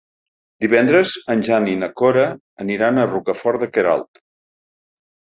Divendres en Jan i na Cora aniran a Rocafort de Queralt.